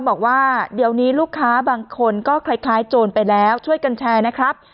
บอกว่าเดี๋ยวนี้ลูกค้าบางคนก็คล้ายโจรไปแล้วช่วยกันแชร์นะครับ